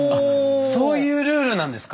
そういうルールなんですか。